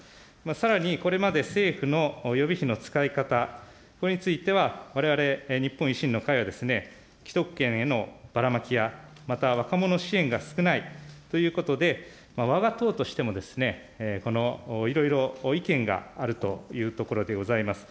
さらにこれまで政府の予備費の使い方、これについてはわれわれ日本維新の会は既得権へのばらまきやまた若者支援が少ないということで、わが党としてもこのいろいろ意見があるというところでございます。